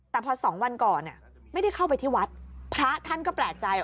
แต่พอสองวันก่อนไม่ได้เข้าไปที่วัดพระท่านก็แปลกใจ